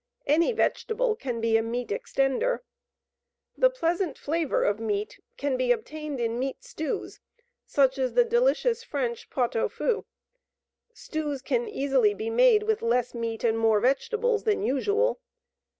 Any vegetable can be a "meat extender." The pleasant flavor of meat can be obtained in meat stews, such as the delicious French "pot au feu." Stews can easily be made with less meat and more vegetables than usual.